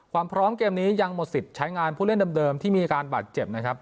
ความพร้อมเกมนี้ยังหมดสิทธิ์ใช้งานผู้เล่นเดิมที่มีอาการบาดเจ็บนะครับ